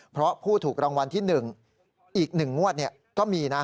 เพราะผู้ถูกรางวัลที่๑อีก๑งวดก็มีนะ